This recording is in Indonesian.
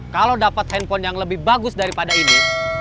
kalau dapat handphone yang lebih bagus daripada ini